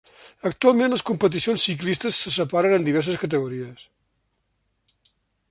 Actualment les competicions ciclistes se separen en diverses categories.